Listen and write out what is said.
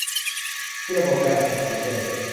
มีระบบแปลอัตโนมัติด้วย !